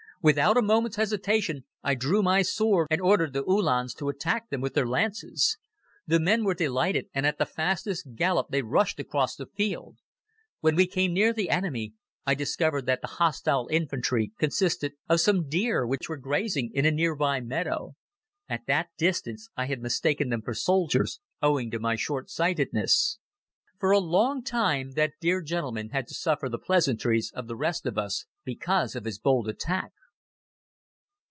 Without a moment's hesitation I drew my sword and ordered the Uhlans to attack them with their lances. The men were delighted and at the fastest gallop they rushed across the field. When we came near the enemy I discovered that the hostile infantry consisted of some deer which were grazing in a nearby meadow. At that distance I had mistaken them for soldiers, owing to my shortsightedness." For a long time that dear gentleman had to suffer the pleasantries of the rest of us because of his bold attack.